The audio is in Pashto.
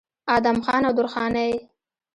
ادم خان او درخانۍ